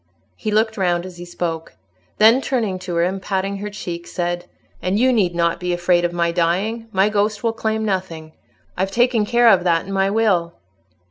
He looked round as he spoke. Then, turning to her, and patting her cheek, said, "And you need not be afraid of my dying; my ghost will claim nothing. I've taken care of that in my will."